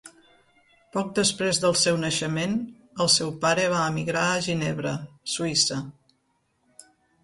Poc després del seu naixement, el seu pare va emigrar a Ginebra, Suïssa.